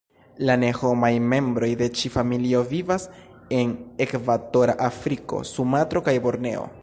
La ne-homaj membroj de ĉi-familio vivas en Ekvatora Afriko, Sumatro, kaj Borneo.